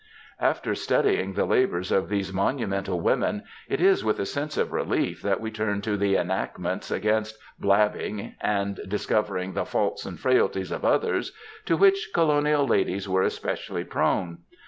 After studying the labours of these monumental women, it is with a sense of relief that we turn to the enactments against *^ blabbing, and discovering the faults and frailties of others,"*' to which colonial ladies were especially prone.